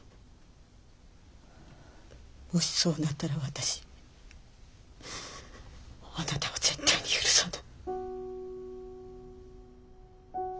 もしそうなったら私あなたを絶対に許さない。